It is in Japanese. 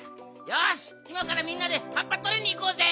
よしいまからみんなではっぱとりにいこうぜ！